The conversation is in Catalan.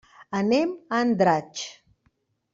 Anem a Andratx.